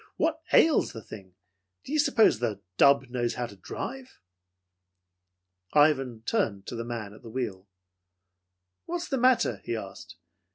"What ails the thing? Do you suppose the dub knows how to drive?" Ivan turned to the man at the wheel. "What's the matter?" he asked.